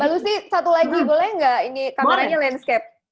mbak lucy satu lagi boleh nggak ini kameranya landscape